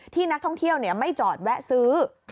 ที่นักท่องเที่ยวไม่จอดแวะซื้อ